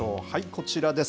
こちらです。